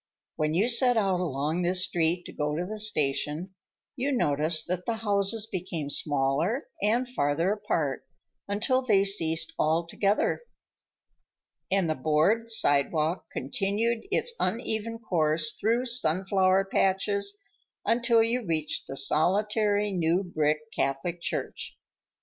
When you set out along this street to go to the station, you noticed that the houses became smaller and farther apart, until they ceased altogether, and the board sidewalk continued its uneven course through sunflower patches, until you reached the solitary, new brick Catholic Church.